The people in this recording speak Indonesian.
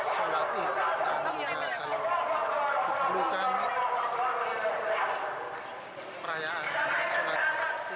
sholat id dan bergerukan perayaan sholat id